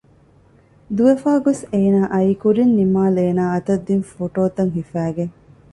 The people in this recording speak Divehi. ދުވެފައި ގޮސް އޭނާ އައީ ކުރިން ނިމާލް އޭނާ އަތަށް ދިން ފޮޓޯތައް ހިފައިގެން